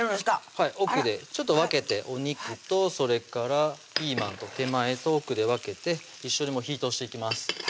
はい奥でちょっと分けてお肉とそれからピーマンと手前と奥で分けて一緒に火ぃ通していきます